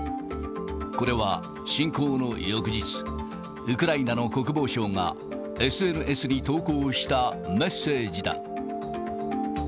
これは侵攻の翌日、ウクライナの国防省が、ＳＮＳに投稿したメッセージだ。